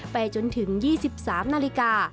ไปจนถึง๒๓นาฬิกา